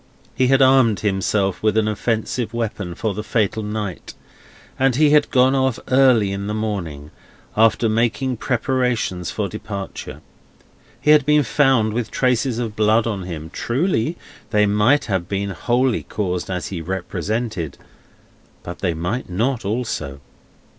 He had armed himself with an offensive weapon for the fatal night, and he had gone off early in the morning, after making preparations for departure. He had been found with traces of blood on him; truly, they might have been wholly caused as he represented, but they might not, also.